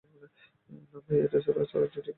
না ভাই, ছড়াটা ঠিক খাটিল না।